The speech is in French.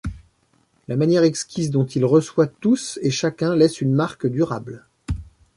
La manière exquise dont il reçoit tous et chacun laisse une marque durable.